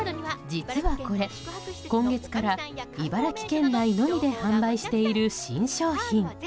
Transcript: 実はこれ、今月から茨城県内のみで販売している新商品。